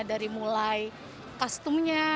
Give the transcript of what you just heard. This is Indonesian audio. dari mulai kostumnya